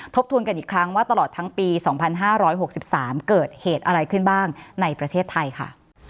ทวนกันอีกครั้งว่าตลอดทั้งปี๒๕๖๓เกิดเหตุอะไรขึ้นบ้างในประเทศไทยค่ะ